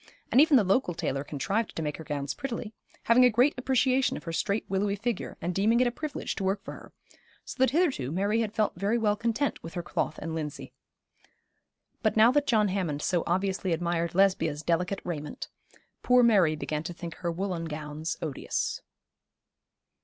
And even the local tailor contrived to make her gowns prettily, having a great appreciation of her straight willowy figure, and deeming it a privilege to work for her, so that hitherto Mary had felt very well content with her cloth and linsey. But now that John Hammond so obviously admired Lesbia's delicate raiment, poor Mary began to think her woollen gowns odious.